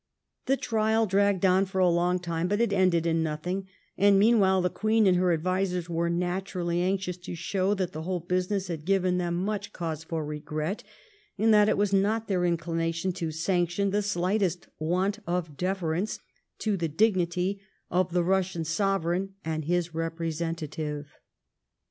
The trial dragged on for a long time, but it ended in nothing, and meanwhile the Queen and her advisers were naturally anxious to show that the whole business had given them much cause for regret, and that it was not their inclination to sanction the shghtest want of deference to the dignity of the Eussian Sovereign and his representative.